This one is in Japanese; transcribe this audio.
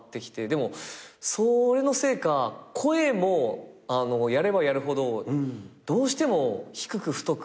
でもそれのせいか声もやればやるほどどうしても低く太くなってくるとこは。